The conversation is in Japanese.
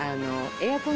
エアコン。